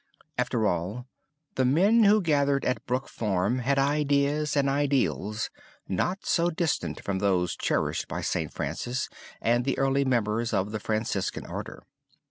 After all, the men who gathered at Brook Farm had ideas and ideals not so distant from those cherished by St. Francis and the early members of the Franciscan Order.